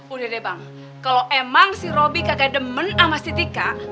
udah deh bang kalo emang si robby kagak demen sama si tika